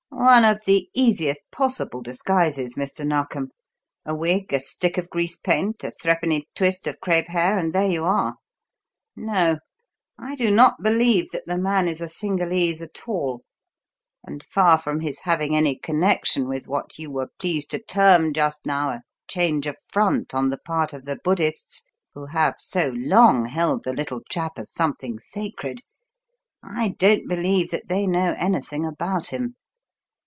"One of the easiest possible disguises, Mr. Narkom. A wig, a stick of grease paint, a threepenny twist of crepe hair, and there you are! No, I do not believe that the man is a Cingalese at all; and, far from his having any connection with what you were pleased to term just now a change of front on the part of the Buddhists who have so long held the little chap as something sacred, I don't believe that they know anything about him.